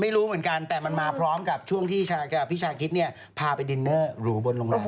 ไม่รู้เหมือนกันแต่มันมาพร้อมกับช่วงที่พี่ชาคิดเนี่ยพาไปดินเนอร์หรูบนโรงแรม